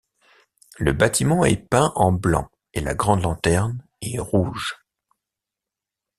Le bâtiment est peint en blanc et la grande lanterne est rouge.